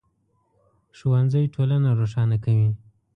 ښوونځی ټولنه روښانه کوي